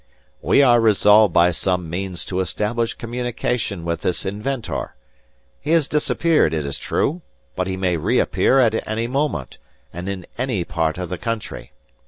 "We are resolved by some means to establish communication with this inventor. He has disappeared, it is true; but he may reappear at any moment, and in any part of the country.